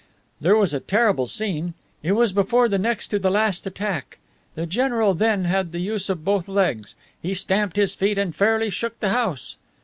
There was a terrible scene. It was before the next to the last attack. The general then had the use of both legs. He stamped his feet and fairly shook the house."